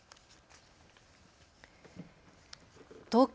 東京